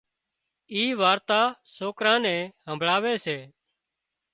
اي وارتا سوڪران نين همڀۯاوي سي